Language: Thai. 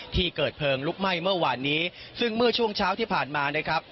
ที่เกิดเพลิงลุกไหม้เมื่อวานนี้ซึ่งเมื่อช่วงเช้าที่ผ่านมานะครับ